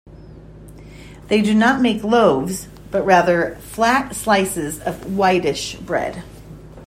They do not make loaves, but rather flat slices of a whitish bread.